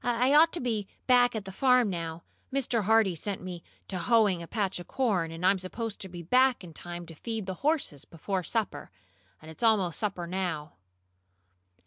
I ought to be back at the farm now. Mr. Hardee set me to hoeing a patch of corn, and I'm supposed to be back in time to feed the horses before supper. And it's almost supper time now."